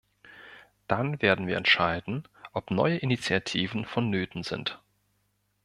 Dann werden wir entscheiden, ob neue Initiativen vonnöten sind.